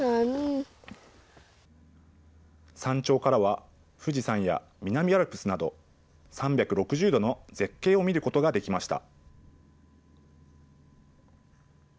山頂からは、富士山や南アルプスなど、３６０度の絶景を見ることができました。